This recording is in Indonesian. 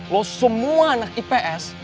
lu semua anak ips